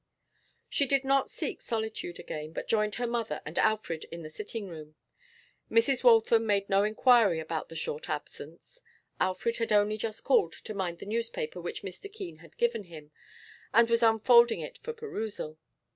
She did not seek solitude again, but joined her mother and Alfred in the sitting room. Mrs. Waltham made no inquiry about the short absence. Alfred had only just called to mind the newspaper which Mr. Keene had given him; and was unfolding it for perusal.